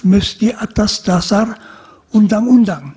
mesti atas dasar undang undang